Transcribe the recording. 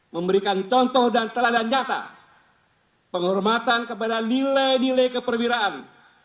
memberikan contoh dan teladan nyata penghormatan kepada nilai nilai keperwiraan